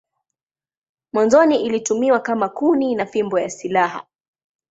Mwanzoni ilitumiwa kama kuni na fimbo ya silaha.